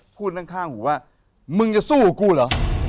พูดข้างหูว่ามึงจะสู้กับกูเหรอ